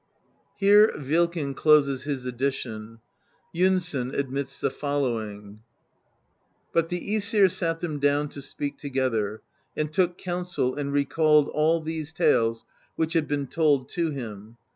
\^Here PVilken closes his edition; ^onsson adtnits the following : But the i^sir sat them down to speak together, and took counsel and recalled all these tales which had been told to him.